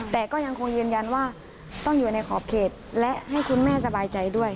แต่ก็ยังคงยืนยันว่าต้องอยู่ในขอบเขตและให้คุณแม่สบายใจด้วย